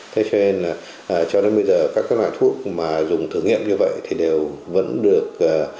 thế cho nên là cho đến bây giờ các loại thuốc mà dùng thử nghiệm như vậy thì đều vẫn được